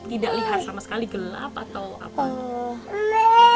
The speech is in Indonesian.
tidak lihat sama sekali gelap atau apa